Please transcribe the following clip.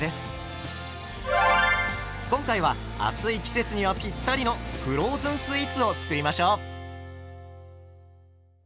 今回は暑い季節にはぴったりのフローズンスイーツを作りましょう。